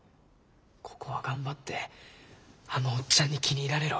ここは頑張ってあのオッチャンに気に入られろ。